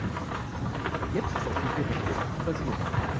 Jetzt hoffen wir, dass wir nichts übersehen haben.